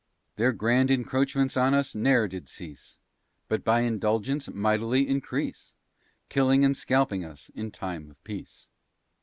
Their grand encroachments on us ne'er did cease. But by indulgence mightily increase, Killing and scalping us in times of peace.